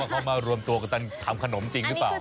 เขามารวมตัวกันทำขนมจริงหรือเปล่า